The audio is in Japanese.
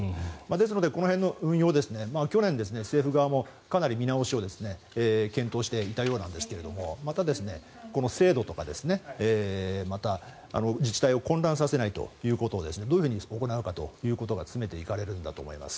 ですので、この辺の運用ですね去年、政府もかなり見直しを検討していたようなんですがまたこの精度とかまた、自治体を混乱させないということをどういうふうに行うかということが詰めていかれるんだと思います。